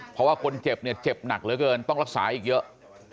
เพราะว่าคนเจ็บเนี่ยเจ็บหนักเหลือเกินต้องรักษาอีกเยอะ